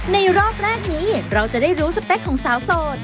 รอบแรกนี้เราจะได้รู้สเปคของสาวโสด